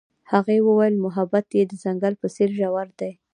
هغې وویل محبت یې د ځنګل په څېر ژور دی.